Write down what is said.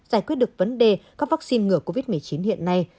giải quyết được vấn đề các vaccine ngừa covid một mươi chín hiện nay